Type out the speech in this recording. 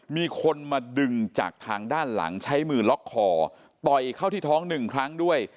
มีคนมาดึงจากทางด้านหลังใช้มือล็อกคอต่อยเข้าที่ท้องหนึ่งครั้งด้วย